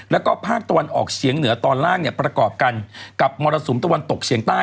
แล้วก็ภาคตะวันออกเฉียงเหนือตอนล่างเนี่ยประกอบกันกับมรสุมตะวันตกเฉียงใต้